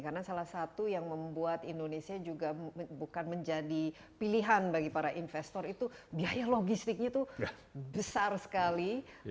karena salah satu yang membuat indonesia juga bukan menjadi pilihan bagi para investor itu biaya logistiknya itu besar sekali